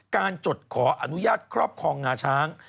จดขออนุญาตครอบครองงาช้าง